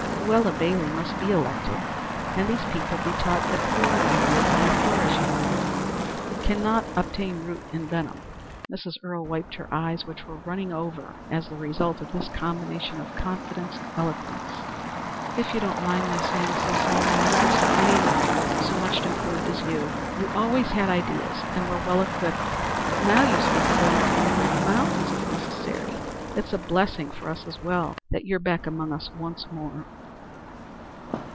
Luella Bailey must be elected, and these people be taught that foreign ideas may flourish in New York, but cannot obtain root in Benham." Mrs. Earle wiped her eyes, which were running over as the result of this combination of confidence and eloquence. "If you don't mind my saying so, Selma, I never saw anyone so much improved as you. You always had ideas, and were well equipped, but now you speak as though you could remove mountains if necessary. It's a blessing for us as well as you that you're back among us once more."